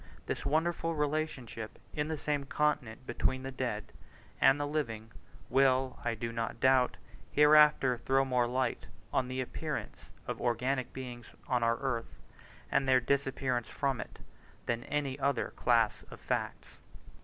This wonderful relationship in the same continent between the dead and the living, will, I do not doubt, hereafter throw more light on the appearance of organic beings on our earth, and their disappearance from it, than any other class of facts.